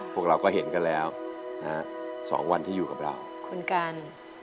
พวกเราก็เห็นกันแล้วนะฮะสองวันที่อยู่กับเราคุณกัน